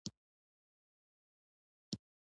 يو دم يې وخندل: سمه ده، اوس ډوډی وخورئ!